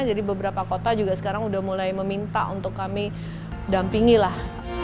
jadi beberapa kota juga sekarang sudah mulai meminta untuk kami dampingi lah